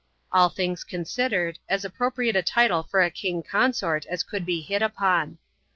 All things eonsidered, as appropriate a title for a king consort as could be hit upon.